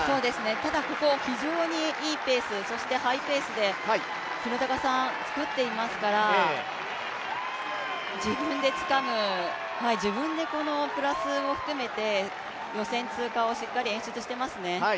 ここ非常にいいペースハイペースで廣中さんつくっていますから自分でつかむ、自分でプラスを含めて予選通過をしっかり演出していますね。